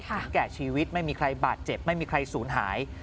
แก่ชีวิตไม่มีใครบาดเจ็บไม่มีใครสูญหาย